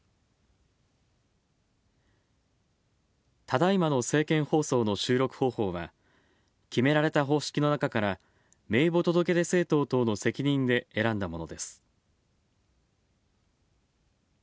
ただいまの政見放送の収録方法は、決められた方式の中から名簿届出政党等の責任で選んだものです。